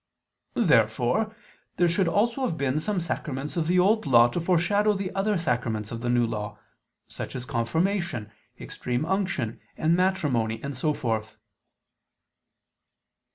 Therefore there should also have been some sacraments of the Old Law to foreshadow the other sacraments of the New Law, such as Confirmation, Extreme Unction, and Matrimony, and so forth.